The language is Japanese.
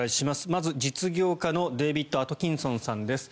まず実業家のデービッド・アトキンソンさんです。